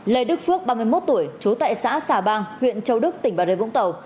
lê đức phước ba mươi một tuổi chú tại xã xà bang huyện châu đức tỉnh bà rê vũng tàu